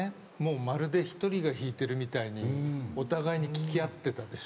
まるで１人が弾いてるみたいにお互いに聴き合ってたでしょ。